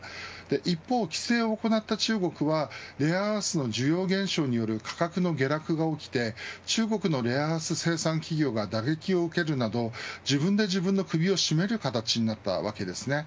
一方、規制を行った中国はレアアースの需要現象による価格の下落が起きて中国のレアアース生産企業が打撃を受けるなど自分で自分の首を絞める形になったわけです。